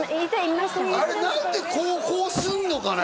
あれ何でこうすんのかね？